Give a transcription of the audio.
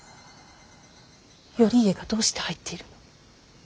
頼家がどうして入っているの。